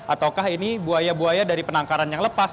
ataukah ini buaya buaya dari penangkaran yang lepas